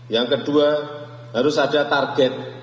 yang kedua harus ada target